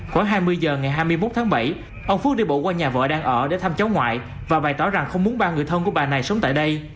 khoảng hai mươi h ngày hai mươi một tháng bảy ông phước đi bộ qua nhà vợ đang ở để thăm cháu ngoại và bày tỏ rằng không muốn ba người thân của bà này sống tại đây